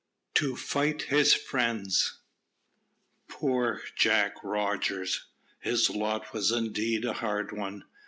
TO FIGHT HIS FRIENDS. Poor Jack Rogers! His lot was indeed a hard one.